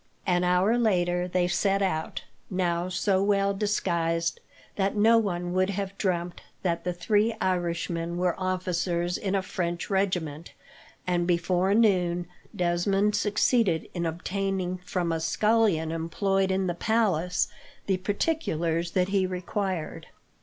An hour later they set out, now so well disguised that no one would have dreamt that the three Irishmen were officers in a French regiment; and before noon Desmond succeeded in obtaining, from a scullion employed in the palace, the particulars that he required.